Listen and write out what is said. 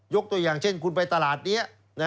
ตัวอย่างเช่นคุณไปตลาดนี้